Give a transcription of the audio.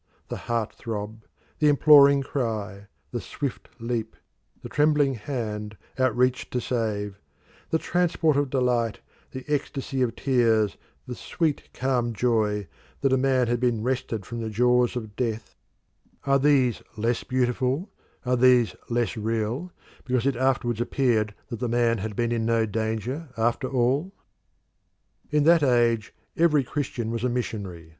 The heart throb, the imploring cry, the swift leap, the trembling hand out reached to save; the transport of delight, the ecstasy of tears, the sweet, calm joy that a man had been wrested from the jaws of death are these less beautiful, are these less real, because it afterwards appeared that the man had been in no danger after all? In that age every Christian was a missionary.